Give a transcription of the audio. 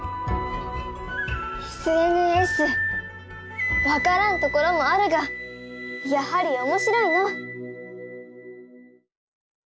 ＳＮＳわからんところもあるがやはりおもしろいのう。